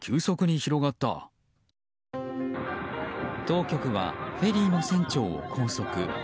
当局はフェリーの船長を拘束。